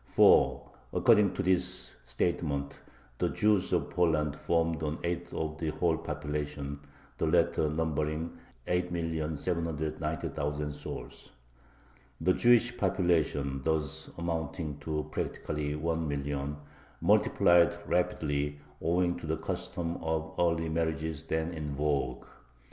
For, according to this statement, the Jews of Poland formed an eighth of the whole population, the latter numbering 8,790,000 souls. The Jewish population, thus amounting to practically one million, multiplied rapidly, owing to the custom of early marriages then in vogue.